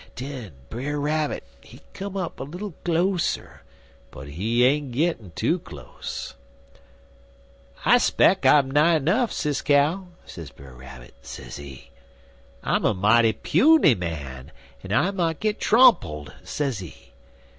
Den Brer Rabbit, he come up little closer, but he ain't gittin' too close. "'I speck I'm nigh nuff, Sis Cow,' sez Brer Rabbit, sezee. 'I'm a mighty puny man, en I might git trompled,' sezee.